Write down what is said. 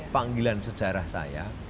panggilan sejarah saya